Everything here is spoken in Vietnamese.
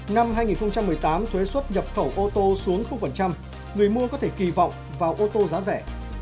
năm hai nghìn một mươi tám thuế xuất nhập khẩu ô tô xuống người mua có thể kỳ vọng vào ô tô giá rẻ